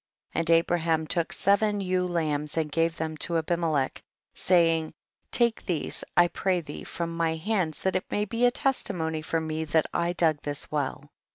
8. And Abraham took seven ewe lambs and gave them to Abimelech, saying, take these I pray thee from my hands that it may be a testimony for me that I dug this well.